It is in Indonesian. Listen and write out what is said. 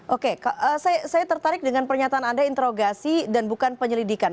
oke saya tertarik dengan pernyataan anda interogasi dan bukan penyelidikan